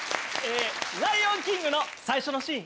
『ライオンキング』の最初のシーン。